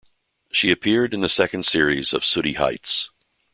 She appeared in the second series of "Sooty Heights".